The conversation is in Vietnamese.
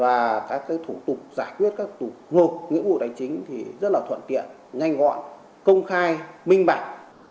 và các thủ tục giải quyết các thủ tục ngược nhiệm vụ tài chính thì rất là thuận tiện nhanh gọn công khai minh bản